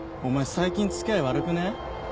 最近付き合い悪くねえ？